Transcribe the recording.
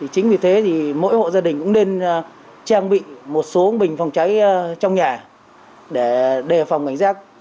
chính vì thế mỗi hộ gia đình cũng nên trang bị một số bình phòng cháy trong nhà để đề phòng cảnh giác